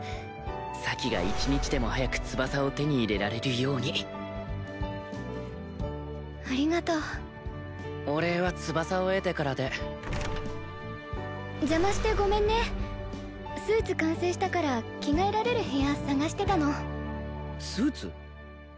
咲が一日でも早く翼を手に入れられるようにありがとうお礼は翼を得てからで邪魔してごめんねスーツ完成したから着替えられる部屋探してたのスーツ？